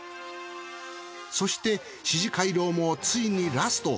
そして四寺廻廊もついにラスト。